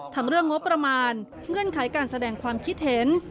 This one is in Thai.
เรื่องงบประมาณเงื่อนไขการแสดงความคิดเห็น